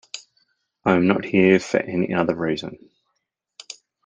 I am not here for any other reason.